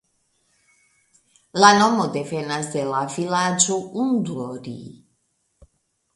La nomo devenas de la vilaĝo Undori.